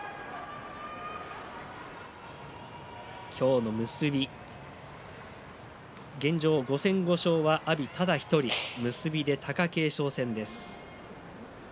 今日の結び現状、５戦５勝は阿炎ただ１人結びで貴景勝戦です。